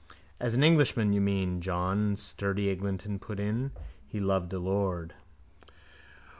—As an Englishman, you mean, John sturdy Eglinton put in, he loved a lord.